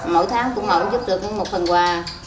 mỗi tháng cũng mẫu giúp được một phần quà